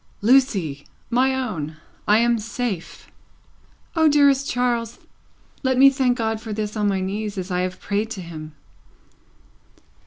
"Lucie! My own! I am safe." "O dearest Charles, let me thank God for this on my knees as I have prayed to Him."